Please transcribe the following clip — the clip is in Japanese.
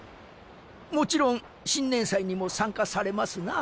もちろん新年祭にも参加されますな？